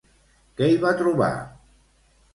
Què hi va trobar?